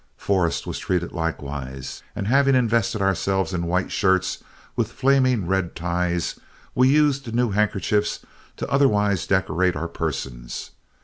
Forrest was treated likewise, and having invested ourselves in white shirts, with flaming red ties, we used the new handkerchiefs to otherwise decorate our persons.